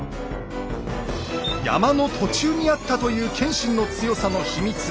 山の途中にあったという謙信の強さの秘密。